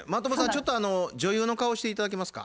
ちょっと女優の顔して頂けますか？